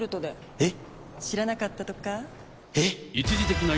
えっ⁉